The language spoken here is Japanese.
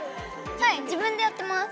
はい自分でやってます。